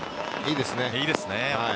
いいですね。